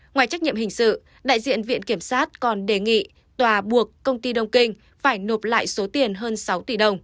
ngoài trách nhiệm hình sự đại diện viện kiểm sát còn đề nghị tòa buộc công ty đông kinh phải nộp lại số tiền hơn sáu tỷ đồng